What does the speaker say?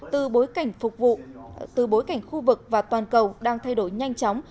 từ bối cảnh khu vực và toàn cầu đang thay đổi nhanh chóng